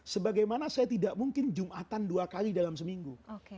sebagaimana saya tidak mungkin jumatan dua kali dalam seminggu